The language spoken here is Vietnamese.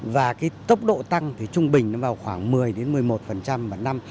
và cái tốc độ tăng thì trung bình nó vào khoảng một mươi một mươi một vào năm